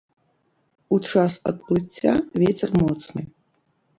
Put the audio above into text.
У час адплыцця вецер моцны.